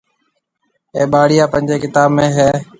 اَي ٻاݪيا پنجهيَ ڪتاب ۾ هيَ۔